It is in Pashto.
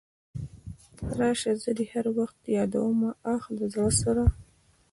راسه زه دي هر وخت يادومه اخ د زړه سره .